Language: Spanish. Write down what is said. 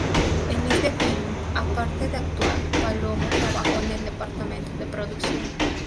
En este film, aparte de actuar, Palomo trabajó en el departamento de producción.